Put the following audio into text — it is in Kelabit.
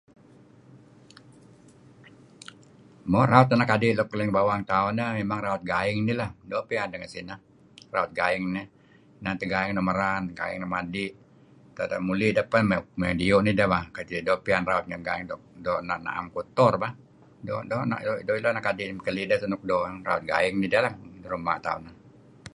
Mo raut anak adi luk ngi bawang tauh neh mimang raut gaing nih lah doo' piyan deh ngen sineh raut gaing nih. Inan teh gaing nuk merar inan teh nuk madi. Pangeh muli' deh pen, mey diu' nideh bah kadi' doo' piyan raut gaing doo' naem kutor bah. Doo' ileh anak adi' ideh teh luk doo' ileh raut gaing nidah lah ngi ruma' tauh.